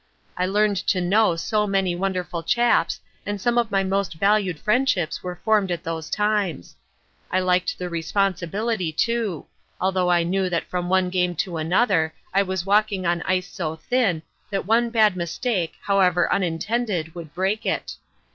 I learned to know so many wonderful chaps and some of my most valued friendships were formed at those times. I liked the responsibility, too; although I knew that from one game to another I was walking on ice so thin that one bad mistake, however unintended, would break it.